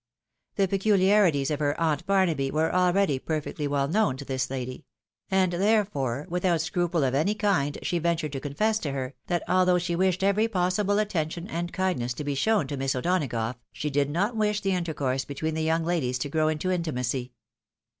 The peculiarities of her "Aunt Barnaby" were already perfectly well known to this lady ; and, thsrefore, vfithout scruple of any kind, she ventured to confess to her, that although she wished every possible attention and kindness to be shown to Miss O'Donagough, she did not wish the intercourse between the young ladies to grow into intimacy.